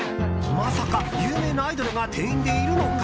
まさか有名なアイドルが店員でいるのか？